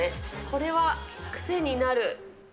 これは癖になる。